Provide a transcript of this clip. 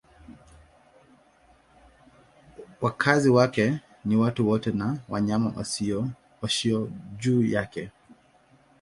Wakazi wake ni watu wote na wanyama waishio juu yake.